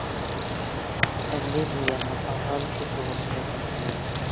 ئەمدى بۇ يەرنىڭ ئاھالىسى توغرىسىدا توختىلىمەن.